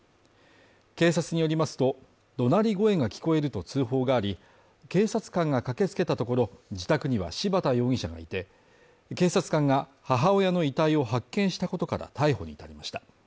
警察によりますと、怒鳴り声が聞こえると通報があり、警察官が駆けつけたところ、自宅には柴田容疑者がいて、警察官が母親の遺体を発見したことから逮捕に至りました。